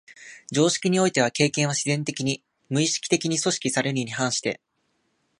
常識においては経験は自然的に、無意識的に組織されるに反して、